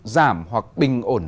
giảm hoặc bình ổn